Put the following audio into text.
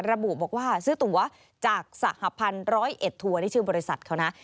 ระบุบอกว่าซื้อตัวจากสหพันธ์ร้อยเอ็ดทัวร์นี่ชื่อบริษัทเขานะ